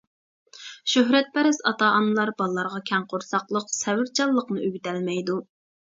شۆھرەتپەرەس ئاتا-ئانىلار بالىلارغا كەڭ قورساقلىق، سەۋرچانلىقنى ئۆگىتەلمەيدۇ.